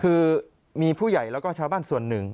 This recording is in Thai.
คือมีผู้ใหญ่แล้วก็ชาวบ้านส่วนหนึ่ง